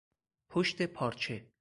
پشت پارچه